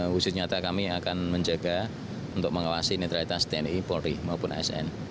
wujud nyata kami akan menjaga untuk mengawasi netralitas tni polri maupun asn